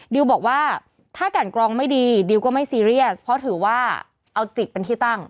ดิวบอกว่าถ้ากันกรองไม่ดีดิวก็ไม่ซีเรียสเพราะถือว่าเอาจิตเป็นที่ตั้ง